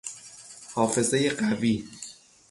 حافظهی قوی